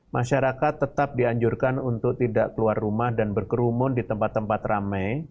masyarakat tetap dianjurkan untuk tidak keluar rumah dan berkerumun di tempat tempat ramai